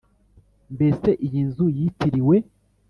Mbese iyi nzu yitiriwe